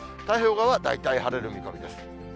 太平洋側は大体晴れる見込みです。